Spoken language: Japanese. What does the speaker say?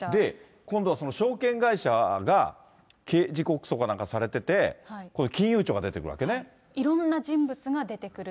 今度はその証券会社が、刑事告訴かなんかされてて、今度、金いろんな人物が出てくると。